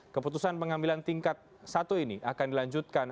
keputusan pengambilan tingkat satu ini akan dilanjutkan